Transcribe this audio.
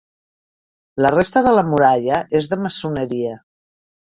La resta de la muralla és de maçoneria.